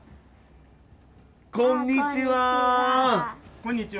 こんにちは。